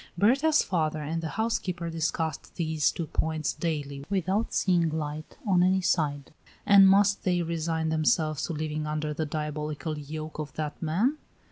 Berta's father and the housekeeper discussed these two points daily without seeing light on any side. And must they resign themselves to living under the diabolical yoke of that man?